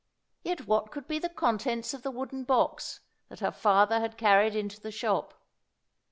Yet what could be the contents of the wooden box that her father had carried into the shop?